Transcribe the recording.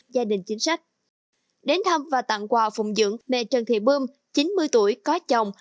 gia đình chính sách đến thăm và tặng quà phùng dưỡng mẹ trần thị bơm chín mươi tuổi có chồng